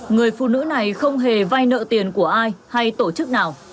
người phụ nữ này không hề vay nợ tiền của ai hay tổ chức nào